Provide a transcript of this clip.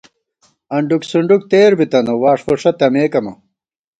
انڈُک سُنڈُک تېر بِتنہ، واݭ فُݭہ تمېک امہ